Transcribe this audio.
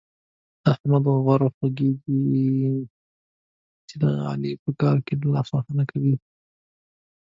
د احمد غره خوږېږي چې د علي په کارو کې لاسوهنه کوي.